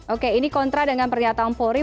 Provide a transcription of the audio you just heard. oke ini kontra dengan pernyataan polri